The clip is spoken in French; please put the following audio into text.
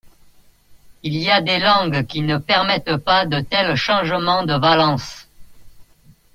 Il y a des langues qui ne permettent pas de tels changements de valence.